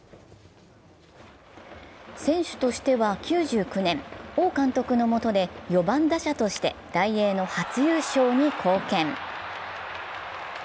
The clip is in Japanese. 選手として９９年、王監督のもとで４番打者としてダイエーの初優勝に貢献。